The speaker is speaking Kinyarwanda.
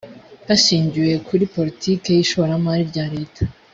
hashingiwe kuri politiki y ishoramari rya leta